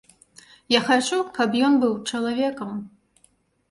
Я хачу, каб ён быў чалавекам.